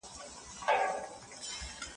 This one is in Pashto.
د سبزی خوراک اغېز مثبت دی.